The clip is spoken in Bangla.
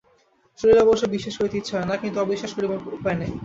শুনিলে অবশ্য বিশ্বাস করিতে ইচ্ছে হয় না, কিন্তু অবিশ্বাস করিবার উপায় নাই।